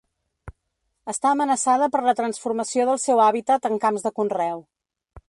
Està amenaçada per la transformació del seu hàbitat en camps de conreu.